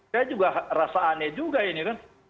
saya juga rasa aneh juga ini kan